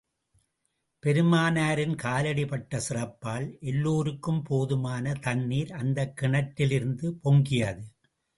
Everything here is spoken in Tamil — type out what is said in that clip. பெருமானாரின் காலடி பட்ட சிறப்பால், எல்லோருக்கும் போதுமான தண்ணீர், அந்தக் கிணற்றிலிருந்து பொங்கியது.